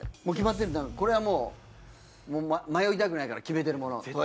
もう決まってるこれはもう迷いたくないから決めてるもの。